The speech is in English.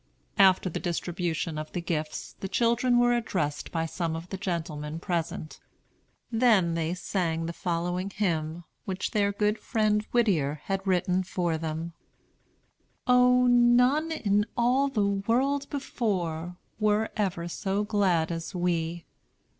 After the distribution of the gifts, the children were addressed by some of the gentlemen present. Then they sang the following Hymn, which their good friend Whittier had written for them: "O, none in all the world before Were ever so glad as we!